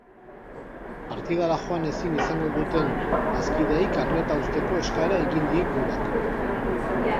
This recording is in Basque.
Partidara joan ezin izango duten bazkideei karneta uzteko eskaera egin die klubak.